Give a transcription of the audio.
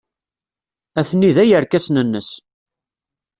Atni da yerkasen-nnes.